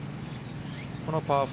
このパー４。